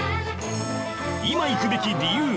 今行くべき理由